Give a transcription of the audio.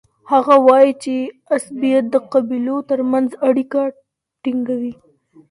هغه وایي چي عصبيت د قبیلو ترمنځ اړیکه ټینګوي.